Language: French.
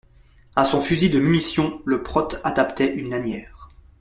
A son fusil de munition le prote adaptait une lanière.